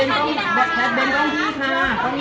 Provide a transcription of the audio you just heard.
ขอบคุณแม่ก่อนต้องกลางนะครับ